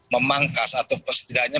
memangkas atau setidaknya